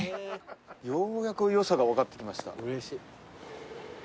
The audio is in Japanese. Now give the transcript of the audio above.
ようやく良さが分かってきました。